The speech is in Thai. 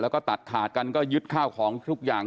แล้วก็ตัดขาดกันก็ยึดข้าวของทุกอย่าง